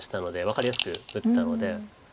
分かりやすく打ったので。